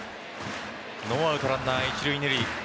ノーアウトランナー一塁・二塁。